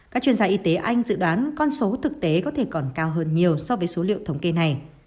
các chuyên gia y tế anh dự đoán con số thực tế có thể còn cao hơn nhiều so với số liệu thống kê này